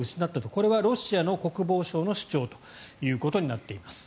これはロシア国防省の主張となっています。